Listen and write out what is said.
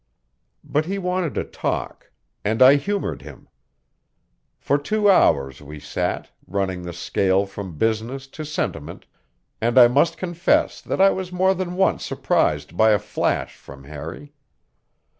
But he wanted to talk, and I humored him. For two hours we sat, running the scale from business to sentiment, and I must confess that I was more than once surprised by a flash from Harry.